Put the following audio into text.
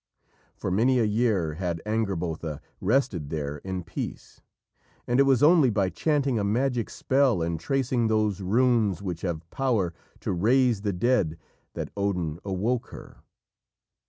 For many a year had Angrbotha rested there in peace, and it was only by chanting a magic spell and tracing those runes which have power to raise the dead that Odin awoke her.